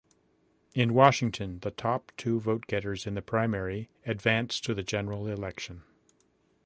In Washington the top two vote-getters in the primary advance to the general election.